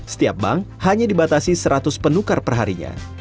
setiap bank hanya dibatasi seratus penukar perharinya